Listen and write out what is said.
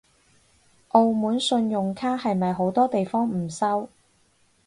澳門信用卡係咪好多地方唔收？